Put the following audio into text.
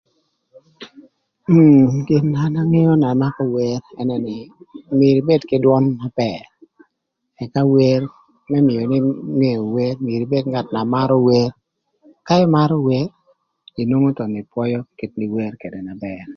Gin na an angeo na makö wer ënë nï myero ibed kï dwön na bër, ëka wer më mïöni ngeo wer myero ibed ngat na marö wer. Ka ïmarö wer inwongo thon ïpwöyö kit na in iwer ködë na bër.